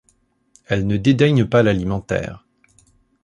Elle ne dédaigne pas l'alimentaire.